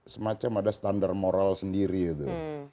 semacam ada standar moral sendiri itu